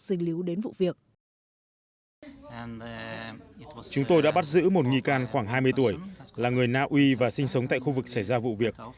cảnh sát đã bắt giữ một nghi can khoảng hai mươi tuổi là người na uy và sinh sống tại khu vực xảy ra vụ việc